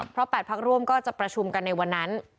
เพราะ๘พักร่วมก็จะประชุมกันในวันนั้น